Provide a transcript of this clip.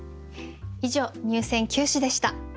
以上入選九首でした。